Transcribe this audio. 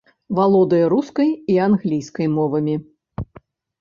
Валодае рускай і англійскай мовамі.